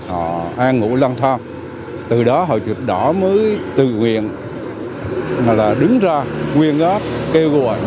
họ an ngũ lăn thoang từ đó hội dịch đỏ mới tự nguyện